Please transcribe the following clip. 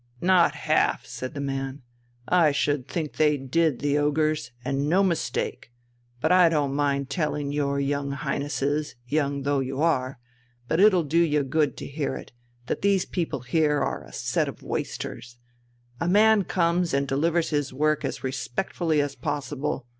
"Not half!" said the man. "I should think they did, the ogres, and no mistake! But I don't mind telling your young Highnesses, young though you are, but it'll do you good to hear it, that these people here are a set of wasters. A man comes and delivers his work as respectfully as possible....